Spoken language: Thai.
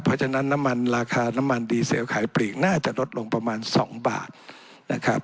เพราะฉะนั้นน้ำมันราคาน้ำมันดีเซลขายปลีกน่าจะลดลงประมาณ๒บาทนะครับ